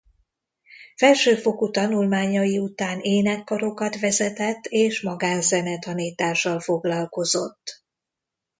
Felsőfokú tanulmányai után énekkarokat vezetett és magán-zenetanítással foglalkozott.